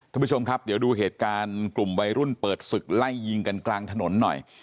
ท่านผู้ชมครับเดี๋ยวดูเหตุการณ์กลุ่มวัยรุ่นเปิดศึกไล่ยิงกันกลางถนนหน่อย